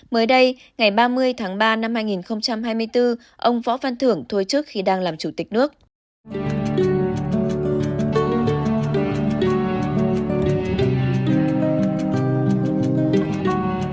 mới đây ngày ba mươi tháng ba năm hai nghìn hai mươi bốn ông võ văn thưởng thôi trước khi đang làm chủ tịch nước